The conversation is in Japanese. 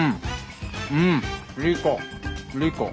うん！